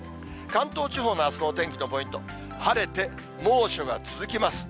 関東地方のあすのお天気のポイント、晴れて猛暑が続きます。